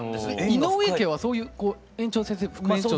井上家はそういう園長先生副園長。